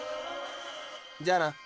じゃあな。